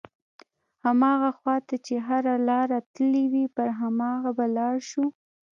هماغه خواته چې هره لاره تللې وي پر هماغه به لاړ شو.